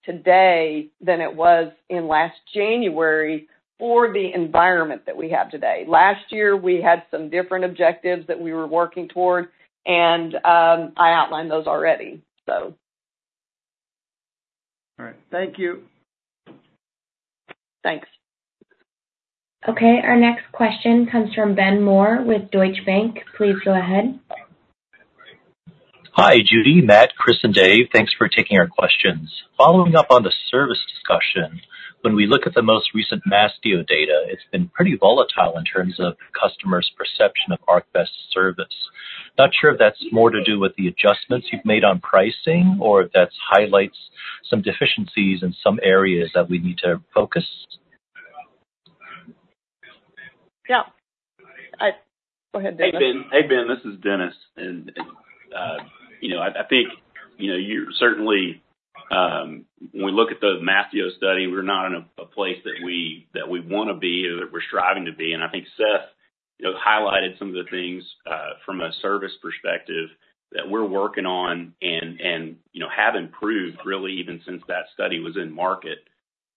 today than it was in last January for the environment that we have today. Last year, we had some different objectives that we were working toward, and I outlined those already, so. All right. Thank you. Thanks. Okay, our next question comes from Ben Moore with Deutsche Bank. Please go ahead. Hi, Judy, Matt, Chris, and Dave. Thanks for taking our questions. Following up on the service discussion, when we look at the most recent Mastio data, it's been pretty volatile in terms of customers' perception of ArcBest service.... Not sure if that's more to do with the adjustments you've made on pricing, or if that highlights some deficiencies in some areas that we need to focus? Yeah. Go ahead, Dennis. Hey, Ben. Hey, Ben, this is Dennis. And, you know, I think, you know, you certainly, when we look at the Mastio study, we're not in a place that we want to be or that we're striving to be. And I think Seth, you know, highlighted some of the things from a service perspective that we're working on and, you know, have improved really even since that study was in market.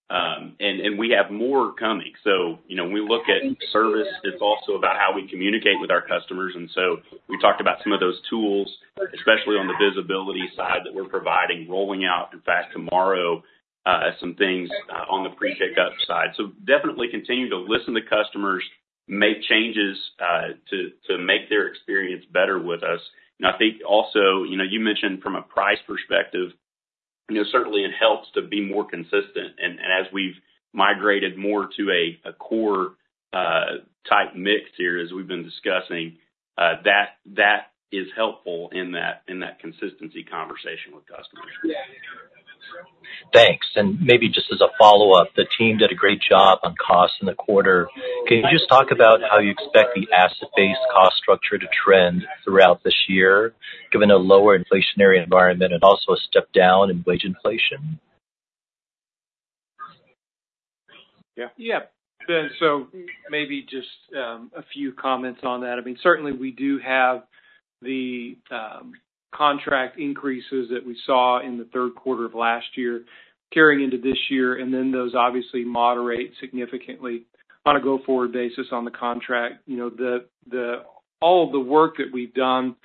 And we have more coming. So, you know, when we look at service, it's also about how we communicate with our customers. And so we talked about some of those tools, especially on the visibility side, that we're providing, rolling out, in fact, tomorrow, some things on the pre-pickup side. So definitely continuing to listen to customers, make changes to make their experience better with us.I think also, you know, you mentioned from a price perspective, you know, certainly it helps to be more consistent. And as we've migrated more to a core type mix here, as we've been discussing, that is helpful in that consistency conversation with customers. Thanks. And maybe just as a follow-up, the team did a great job on costs in the quarter. Can you just talk about how you expect the Asset-Based cost structure to trend throughout this year, given a lower inflationary environment and also a step down in wage inflation? Yeah. Yeah. Ben, so maybe just a few comments on that. I mean, certainly we do have the contract increases that we saw in the third quarter of last year carrying into this year, and then those obviously moderate significantly on a go-forward basis on the contract. You know, all the work that we've done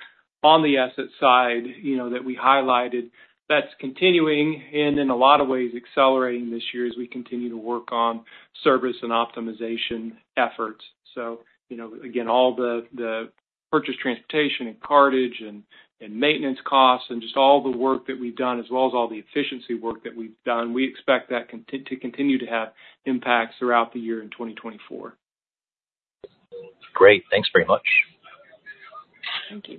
on the asset side, you know, that we highlighted, that's continuing and in a lot of ways accelerating this year as we continue to work on service and optimization efforts. So, you know, again, all the Purchased Transportation and cartage and maintenance costs, and just all the work that we've done, as well as all the efficiency work that we've done, we expect that to continue to have impacts throughout the year in 2024. Great. Thanks very much. Thank you.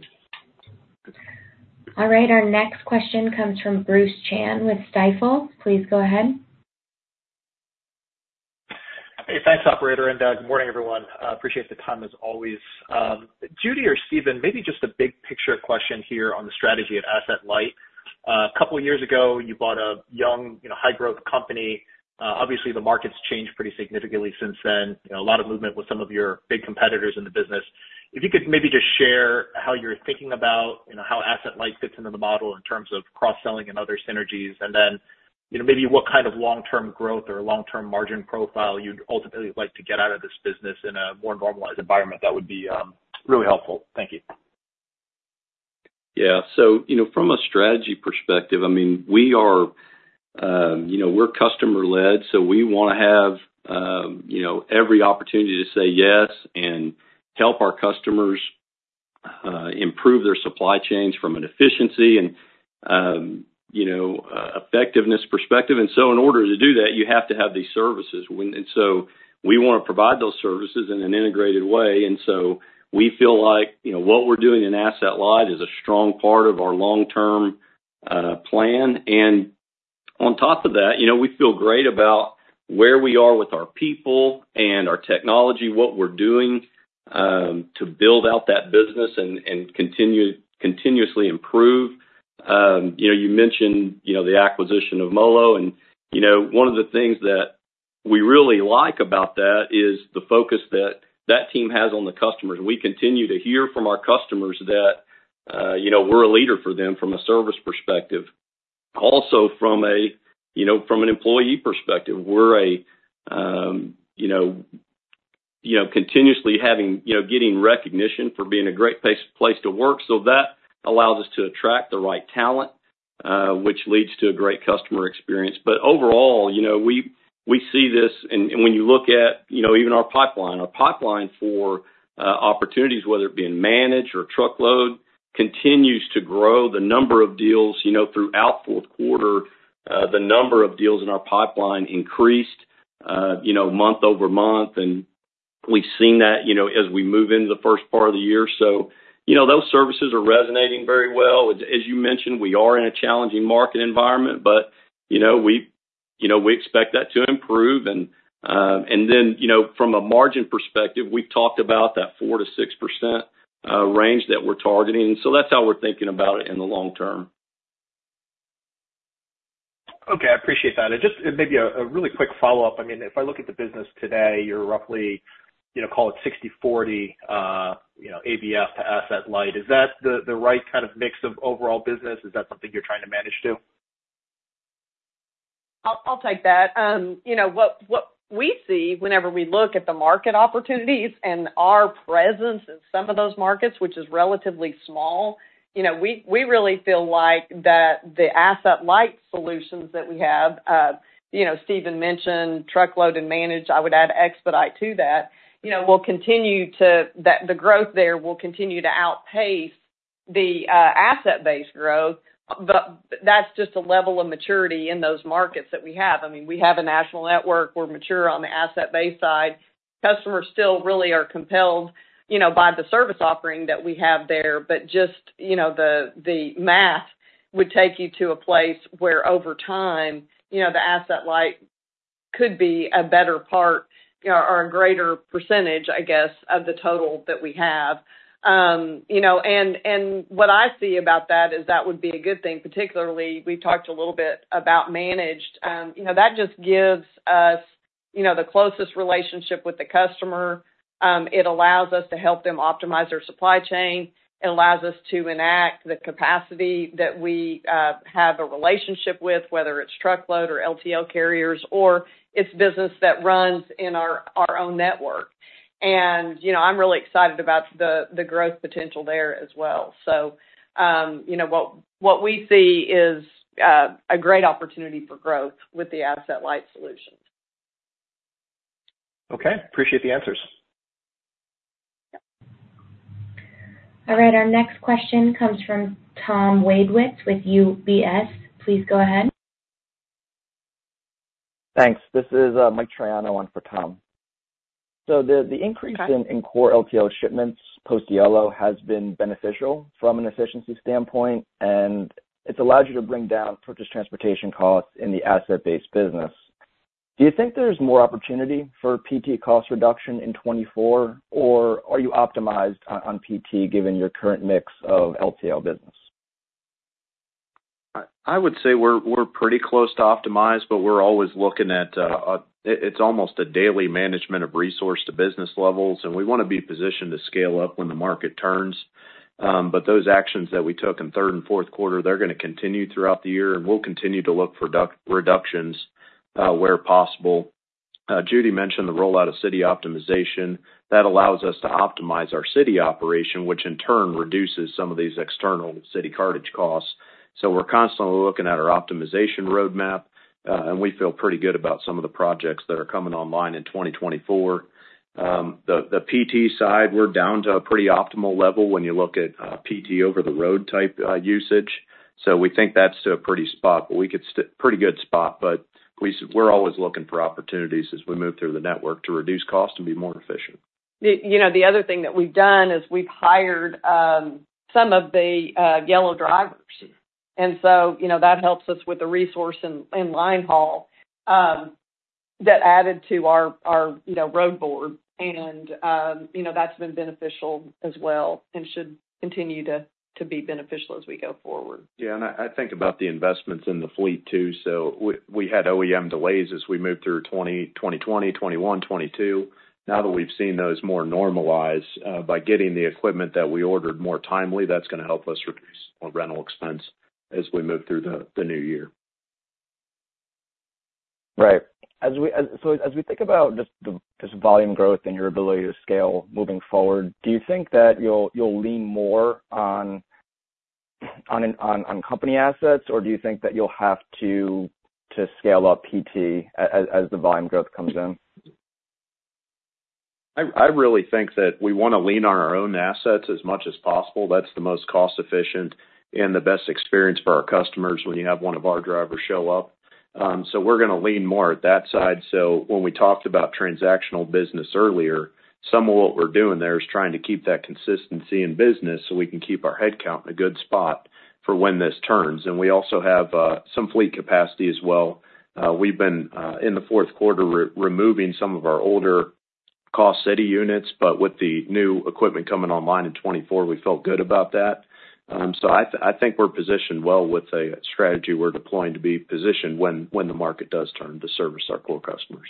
All right, our next question comes from Bruce Chan with Stifel. Please go ahead. Hey, thanks, operator. Good morning, everyone. Appreciate the time as always. Judy or Steven, maybe just a big picture question here on the strategy of Asset-Light. A couple of years ago, you bought a young, you know, high-growth company. Obviously, the market's changed pretty significantly since then. You know, a lot of movement with some of your big competitors in the business. If you could maybe just share how you're thinking about, you know, how Asset-Light fits into the model in terms of cross-selling and other synergies. And then, you know, maybe what kind of long-term growth or long-term margin profile you'd ultimately like to get out of this business in a more normalized environment, that would be, really helpful. Thank you. Yeah. So, you know, from a strategy perspective, I mean, we are, you know, we're customer-led, so we want to have, you know, every opportunity to say yes and help our customers, improve their supply chains from an efficiency and, you know, effectiveness perspective. And so in order to do that, you have to have these services when... And so we want to provide those services in an integrated way. And so we feel like, you know, what we're doing in Asset-Light is a strong part of our long-term, plan. And on top of that, you know, we feel great about where we are with our people and our technology, what we're doing, to build out that business and continuously improve. You know, you mentioned, you know, the acquisition of MoLo, and, you know, one of the things that we really like about that is the focus that that team has on the customers. We continue to hear from our customers that, you know, we're a leader for them from a service perspective. Also from a, you know, from an employee perspective, we're a, you know, you know, continuously having, you know, getting recognition for being a great place, place to work. So that allows us to attract the right talent, which leads to a great customer experience. But overall, you know, we, we see this, and, and when you look at, you know, even our pipeline, our pipeline for, opportunities, whether it be in managed or truckload, continues to grow. The number of deals, you know, throughout fourth quarter, the number of deals in our pipeline increased, you know, month-over-month, and we've seen that, you know, as we move into the first part of the year. So, you know, those services are resonating very well. As you mentioned, we are in a challenging market environment, but, you know, we, you know, we expect that to improve. And then, you know, from a margin perspective, we've talked about that 4%-6% range that we're targeting. So that's how we're thinking about it in the long term. Okay, I appreciate that. And just maybe a really quick follow-up. I mean, if I look at the business today, you're roughly, you know, call it 60/40, you know, ABF to Asset-Light. Is that the right kind of mix of overall business? Is that something you're trying to manage to? I'll take that. You know, what we see whenever we look at the market opportunities and our presence in some of those markets, which is relatively small, you know, we really feel like that the Asset-Light solutions that we have, you know, Steven mentioned truckload and managed, I would add expedite to that, you know, will continue to— that the growth there will continue to outpace the Asset-Based growth, but that's just a level of maturity in those markets that we have. I mean, we have a national network. We're mature on the Asset-Based side. Customers still really are compelled, you know, by the service offering that we have there. But just, you know, the math would take you to a place where over time, you know, the Asset-Light could be a better part or, or a greater percentage, I guess, of the total that we have. You know, and what I see about that is that would be a good thing, particularly, we've talked a little bit about managed. You know, that just gives us, you know, the closest relationship with the customer. It allows us to help them optimize their supply chain. It allows us to enact the capacity that we have a relationship with, whether it's truckload or LTL carriers, or it's business that runs in our own network. And, you know, I'm really excited about the growth potential there as well. So, you know, what we see is a great opportunity for growth with the Asset-Light solutions. Okay, appreciate the answers. All right, our next question comes from Tom Wadewitz with UBS. Please go ahead. Thanks. This is Mike Triano in for Tom. So the increase- Okay. In Core LTL shipments post Yellow has been beneficial from an efficiency standpoint, and it's allowed you to bring down Purchased Transportation costs in the Asset-Based business. Do you think there's more opportunity for PT cost reduction in 2024, or are you optimized on, on PT given your current mix of LTL business? I would say we're pretty close to optimized, but we're always looking at it's almost a daily management of resource to business levels, and we want to be positioned to scale up when the market turns. But those actions that we took in third and fourth quarter, they're gonna continue throughout the year, and we'll continue to look for reductions where possible. Judy mentioned the rollout of city optimization. That allows us to optimize our city operation, which in turn reduces some of these external city cartage costs. So we're constantly looking at our optimization roadmap, and we feel pretty good about some of the projects that are coming online in 2024. The PT side, we're down to a pretty optimal level when you look at PT over the road type usage. So we think that's a pretty good spot, but we're always looking for opportunities as we move through the network to reduce cost and be more efficient. You know, the other thing that we've done is we've hired some of the Yellow drivers, and so, you know, that helps us with the resource in line haul, that added to our road board, and, you know, that's been beneficial as well, and should continue to be beneficial as we go forward. Yeah, and I think about the investments in the fleet too. So we had OEM delays as we moved through 2020, 2021, 2022. Now that we've seen those more normalized by getting the equipment that we ordered more timely, that's gonna help us reduce our rental expense as we move through the new year. Right. So as we think about just the volume growth and your ability to scale moving forward, do you think that you'll lean more on company assets, or do you think that you'll have to scale up PT as the volume growth comes in? I really think that we want to lean on our own assets as much as possible. That's the most cost-efficient and the best experience for our customers when you have one of our drivers show up. So we're gonna lean more at that side. So when we talked about transactional business earlier, some of what we're doing there is trying to keep that consistency in business so we can keep our headcount in a good spot for when this turns. And we also have some fleet capacity as well. We've been in the fourth quarter removing some of our older costly city units, but with the new equipment coming online in 2024, we felt good about that. So, I think we're positioned well with a strategy we're deploying to be positioned when the market does turn to service our core customers.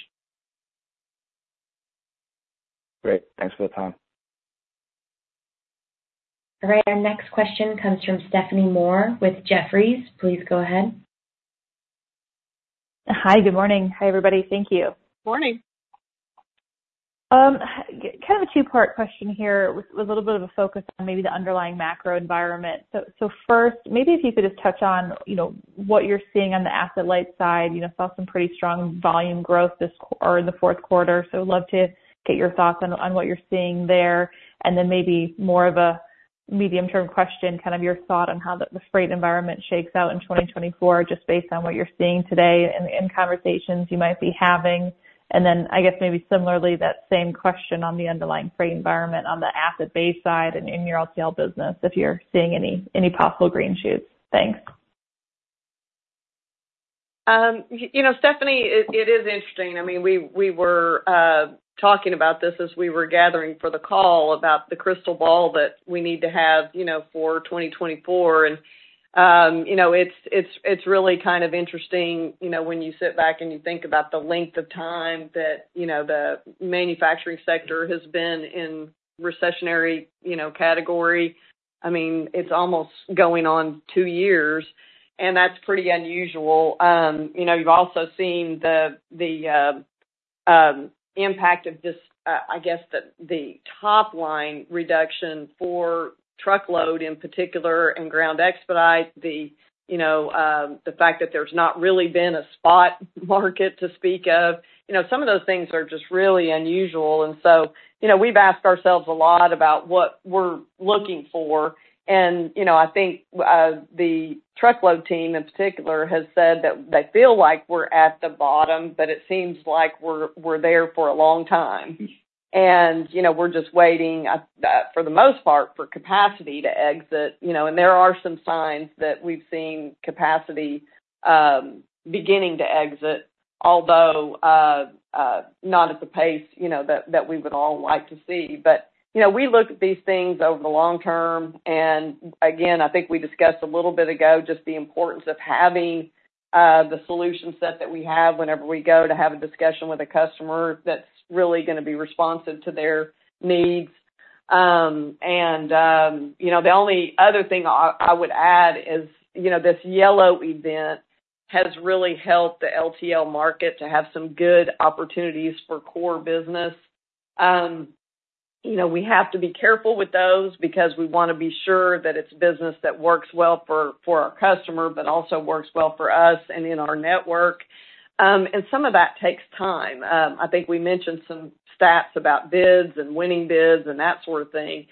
Great. Thanks for the time. All right. Our next question comes from Stephanie Moore with Jefferies. Please go ahead. Hi, good morning. Hi, everybody. Thank you. Morning. Kind of a two-part question here, with a little bit of a focus on maybe the underlying macro environment. So, first, maybe if you could just touch on, you know, what you're seeing on the Asset-Light side. You know, saw some pretty strong volume growth this or in the fourth quarter, so I'd love to get your thoughts on, on what you're seeing there. And then maybe more of a medium-term question, kind of your thought on how the, the freight environment shakes out in 2024, just based on what you're seeing today and any conversations you might be having. And then, I guess, maybe similarly, that same question on the underlying freight environment on the Asset-Based side and in your LTL business, if you're seeing any, any possible green shoots. Thanks. You know, Stephanie, it is interesting. I mean, we were talking about this as we were gathering for the call about the crystal ball that we need to have, you know, for 2024. You know, it's really kind of interesting, you know, when you sit back and you think about the length of time that, you know, the manufacturing sector has been in recessionary, you know, category. I mean, it's almost going on two years, and that's pretty unusual. You know, you've also seen the impact of this, I guess, the top line reduction for truckload in particular, and ground expedite, you know, the fact that there's not really been a spot market to speak of. You know, some of those things are just really unusual. And so, you know, we've asked ourselves a lot about what we're looking for. And, you know, I think, the truckload team in particular has said that they feel like we're at the bottom, but it seems like we're there for a long time. And, you know, we're just waiting, for the most part, for capacity to exit, you know, and there are some signs that we've seen capacity beginning to exit... although not at the pace, you know, that we would all like to see. But, you know, we look at these things over the long term, and again, I think we discussed a little bit ago just the importance of having the solution set that we have whenever we go to have a discussion with a customer that's really going to be responsive to their needs. And, you know, the only other thing I would add is, you know, this Yellow event has really helped the LTL market to have some good opportunities for core business. You know, we have to be careful with those because we want to be sure that it's business that works well for our customer, but also works well for us and in our network. And some of that takes time. I think we mentioned some stats about bids and winning bids and that sort of thing.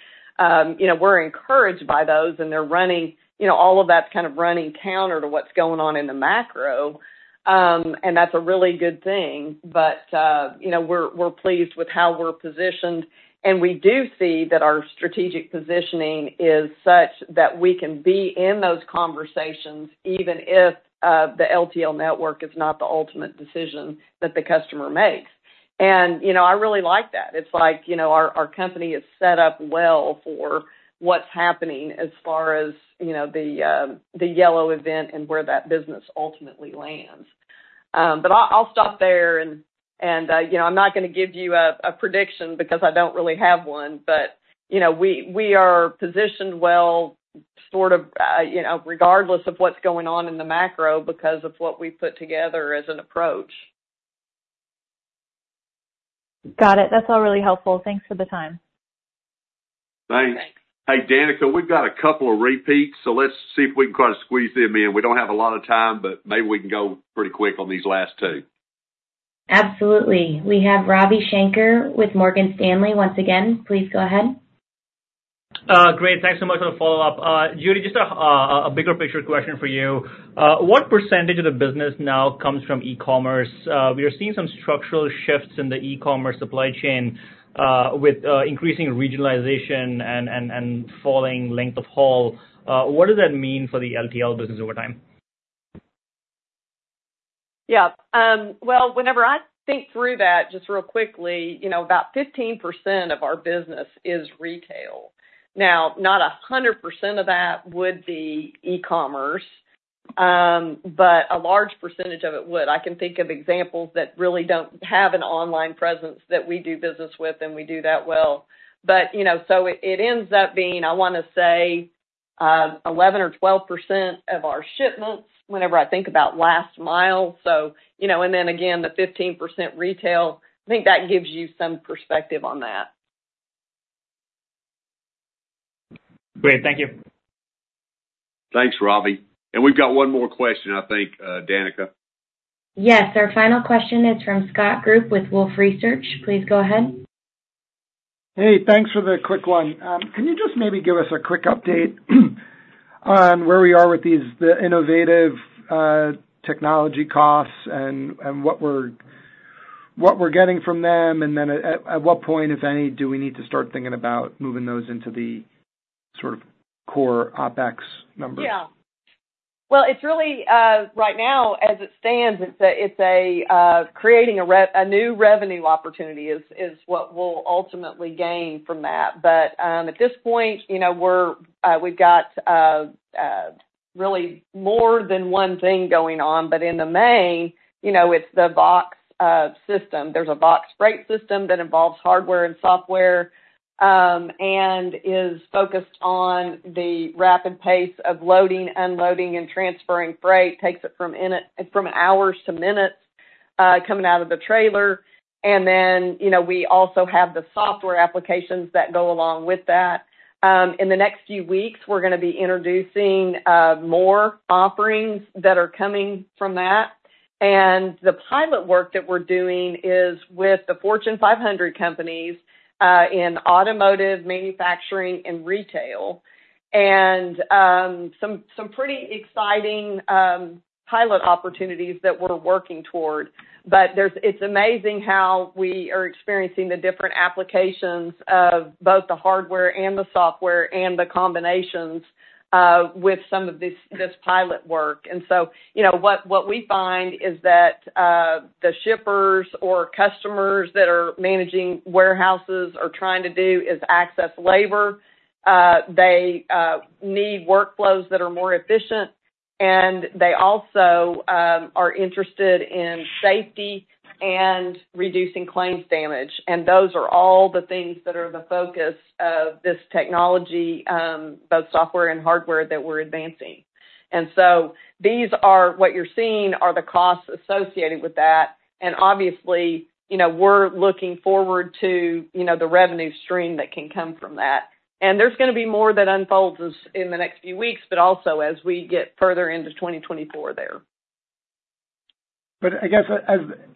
You know, we're encouraged by those, and they're running, you know, all of that's kind of running counter to what's going on in the macro, and that's a really good thing. But, you know, we're pleased with how we're positioned, and we do see that our strategic positioning is such that we can be in those conversations, even if the LTL network is not the ultimate decision that the customer makes. And, you know, I really like that. It's like, you know, our company is set up well for what's happening as far as, you know, the Yellow event and where that business ultimately lands. But I'll stop there, and you know, I'm not going to give you a prediction because I don't really have one. But, you know, we are positioned well, sort of, you know, regardless of what's going on in the macro, because of what we've put together as an approach. Got it. That's all really helpful. Thanks for the time. Thanks. Hey, Danica, we've got a couple of repeats, so let's see if we can kind of squeeze them in. We don't have a lot of time, but maybe we can go pretty quick on these last two. Absolutely. We have Ravi Shanker with Morgan Stanley once again. Please go ahead. Great. Thanks so much for the follow-up. Judy, just a bigger picture question for you. What percentage of the business now comes from e-commerce? We are seeing some structural shifts in the e-commerce supply chain, with increasing regionalization and falling length of haul. What does that mean for the LTL business over time? Yeah. Well, whenever I think through that, just real quickly, you know, about 15% of our business is retail. Now, not 100% of that would be e-commerce, but a large percentage of it would. I can think of examples that really don't have an online presence that we do business with, and we do that well. But, you know, so it, it ends up being, I want to say, 11% or 12% of our shipments whenever I think about last mile. So, you know, and then again, the 15% retail, I think that gives you some perspective on that. Great. Thank you. Thanks, Ravi. We've got one more question, I think, Danica. Yes. Our final question is from Scott Group with Wolfe Research. Please go ahead. Hey, thanks for the quick one. Can you just maybe give us a quick update on where we are with these the innovative technology costs and what we're getting from them? And then at what point, if any, do we need to start thinking about moving those into the sort of core OpEx numbers? Yeah. Well, it's really right now, as it stands, it's creating a new revenue opportunity is what we'll ultimately gain from that. But at this point, you know, we've got really more than one thing going on, but in the main, you know, it's the Vaux system. There's a Vaux freight system that involves hardware and software and is focused on the rapid pace of loading, unloading, and transferring freight. Takes it from hours to minutes coming out of the trailer, and then, you know, we also have the software applications that go along with that. In the next few weeks, we're going to be introducing more offerings that are coming from that. The pilot work that we're doing is with the Fortune 500 companies in automotive, manufacturing, and retail, and some pretty exciting pilot opportunities that we're working toward. But it's amazing how we are experiencing the different applications of both the hardware and the software and the combinations with some of this pilot work. And so, you know, what we find is that the shippers or customers that are managing warehouses are trying to do is access labor. They need workflows that are more efficient, and they also are interested in safety and reducing claims damage. And those are all the things that are the focus of this technology, both software and hardware, that we're advancing. And so these are what you're seeing are the costs associated with that. Obviously, you know, we're looking forward to, you know, the revenue stream that can come from that. There's going to be more that unfolds as in the next few weeks, but also as we get further into 2024 there. But I guess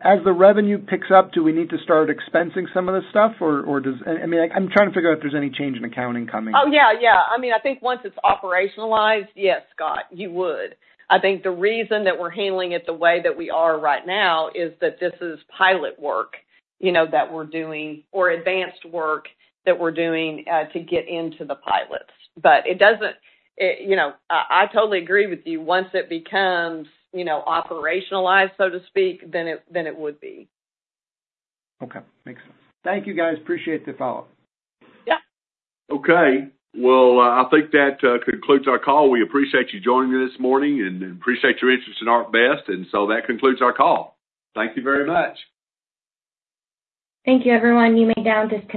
as the revenue picks up, do we need to start expensing some of this stuff or does... I mean, I'm trying to figure out if there's any change in accounting coming. Oh, yeah, yeah. I mean, I think once it's operationalized, yes, Scott, you would. I think the reason that we're handling it the way that we are right now is that this is pilot work, you know, that we're doing, or advanced work that we're doing to get into the pilots. But it doesn't, it, you know, I, I totally agree with you. Once it becomes, you know, operationalized, so to speak, then it, then it would be. Okay. Makes sense. Thank you, guys. Appreciate the follow-up. Yeah. Okay. Well, I think that concludes our call. We appreciate you joining me this morning and appreciate your interest in ArcBest, and so that concludes our call. Thank you very much. Thank you, everyone. You may now disconnect.